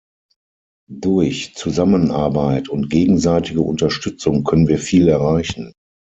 Durch Zusammenarbeit und gegenseitige Unterstützung können wir viel erreichen.